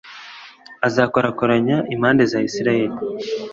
azakorakoranya impabe za israheli